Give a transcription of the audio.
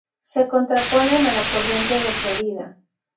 Se contraponen a la corriente de Florida